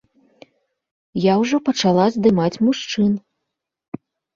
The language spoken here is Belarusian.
Я ўжо пачала здымаць мужчын.